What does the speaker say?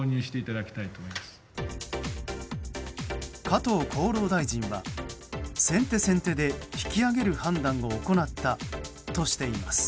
加藤厚労大臣は、先手先手で引き上げる判断を行ったとしています。